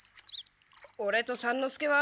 オレと三之助は。